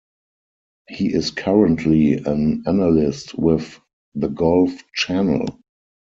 He is currently an analyst with the Golf Channel.